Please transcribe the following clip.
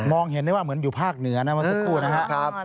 เห็นได้ว่าเหมือนอยู่ภาคเหนือนะเมื่อสักครู่นะครับ